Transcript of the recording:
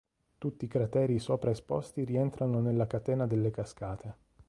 Tutti i crateri sopra esposti rientrano nella catena delle Cascate.